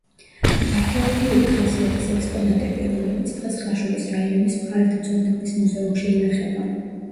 არქეოლოგიური ხასიათის ექსპონატები, რომლებიც დღეს ხაშურის რაიონის მხარეთმცოდნეობის მუზეუმში ინახება.